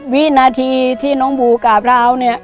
วินาทีที่น้องบูกราบราวเนี่ย